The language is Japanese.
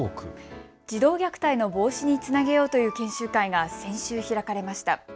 児童虐待の防止につなげようという研修会が先週、開かれました。